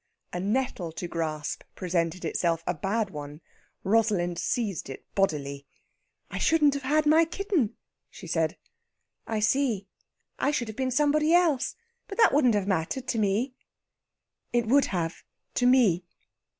A nettle to grasp presented itself a bad one. Rosalind seized it bodily. "I shouldn't have had my kitten," she said. "I see. I should have been somebody else. But that wouldn't have mattered to me." "It would have to me!"